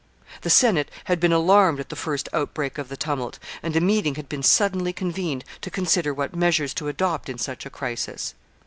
The Senate had been alarmed at the first outbreak of the tumult, and a meeting had been suddenly convened to consider what measures to adopt in such a crisis.